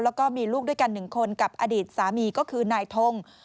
แล้วก็มีลูกด้วยกัน๑คนกับอดีตสามีก็คือนายทง